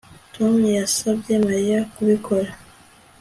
Tom yasabye Mariya kubikora